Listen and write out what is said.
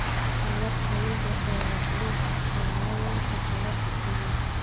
خیرات کول د مړو ارواو ته ثواب رسوي.